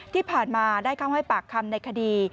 ที่ผ่านมาได้เข้าให้ปากคำในคดี